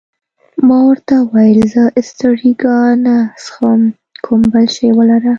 ما ورته وویل: زه سټریګا نه څښم، کوم بل شی ولره.